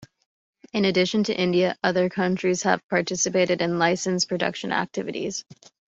In addition to India, other countries have participated in licence production activities.